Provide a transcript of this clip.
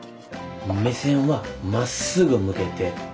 目線はまっすぐ向けて。